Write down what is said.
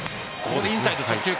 ここでインサイド直球。